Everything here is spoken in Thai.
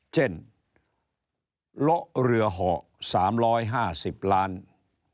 เช่นละเรือห่อ๓๕๐ล้านบาท